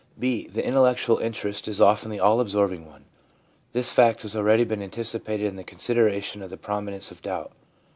(J?) The intellectual interest is often the all absorbing one. This fact has already been anticipated in the con sideration of the prominence of doubt.